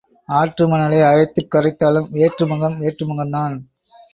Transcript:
ஆற்று மணலை அரைத்துக் கரைத்தாலும் வேற்று முகம் வேற்று முகந்தான்.